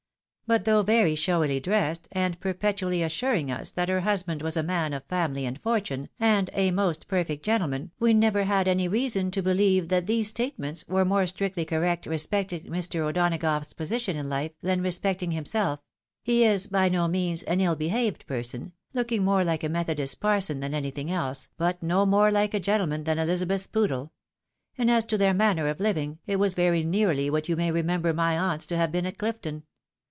But though very showily dressed, and perpetually assuring us that her husband was a man of family and fortune, and a most perfect gentleman, we never had any reason to be lieve that these statements were more strictly correct respecting Mr. O'Donagough's position in life, than respecting himself ; he is. by no means an Ul behaved person, looking more like a methodist parson than anything else, but no more hke a gentle man than Ehzabeth's poodle ; and as to their manner of living, it was very nearly what you may remember my aunt's to have been at Clifton.